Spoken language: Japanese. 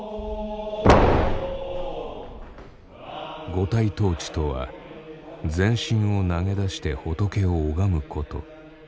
五体投地とは全身を投げ出して仏を拝むこと。